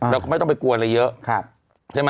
เราก็ไม่ต้องไปกลัวอะไรเยอะใช่ไหม